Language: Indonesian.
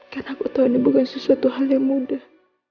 karena aku tau ini bukan sesuatu hal yang mudah